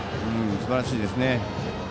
すばらしいですね。